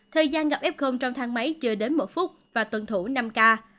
thời gian gặp f trong thang máy chừa đến một phút và tuần thủ năm cao